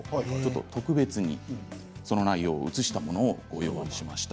特別に、その内容をうつしたものをご用意しました。